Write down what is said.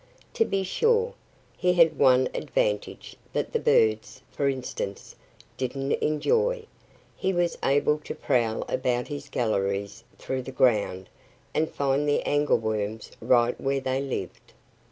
To be sure, he had one advantage that the birds, for instance, didn't enjoy: he was able to prowl about his galleries through the ground and find the angleworms right where they lived.